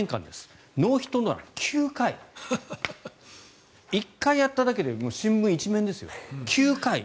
ノーヒット・ノーラン９回１回やっただけで新聞１面ですよ。